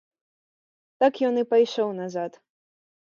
Так ён і пайшоў назад.